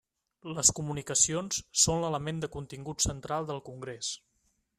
Les COMUNICACIONS són l'element de contingut central del Congrés.